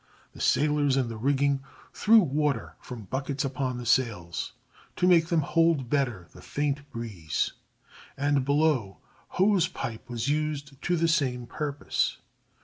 The sailors in the rigging threw water from buckets upon the sails to make them hold better the faint breeze, and below hose pipe was used to the same purpose.